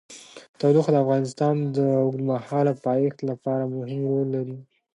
تودوخه د افغانستان د اوږدمهاله پایښت لپاره مهم رول لري.